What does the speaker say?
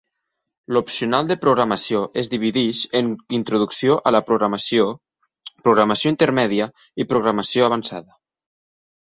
L'opcional de programació és divideix en introducció a la programació, programació intermèdia i programació avançada.